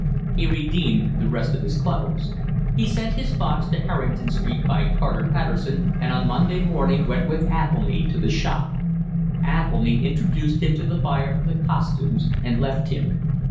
He redeemed the rest of his clothes. He sent his box to Harrington Street by Carter Patterson and on Monday morning went with Athelny to the shop. Athelny introduced him to the buyer of the costumes and left him.